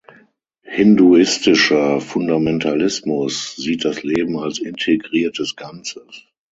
Hinduistischer Fundamentalismus sieht das Leben „als integriertes Ganzes“.